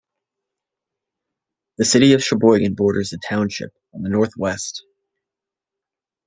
The city of Cheboygan borders the township on the northwest.